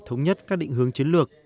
thống nhất các định hướng chiến lược